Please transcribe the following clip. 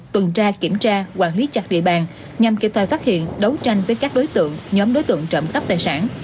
tuần tra kiểm tra hoạt lý chặt địa bàn nhằm kiểm tra phát hiện đấu tranh với các đối tượng nhóm đối tượng trộm cấp tài sản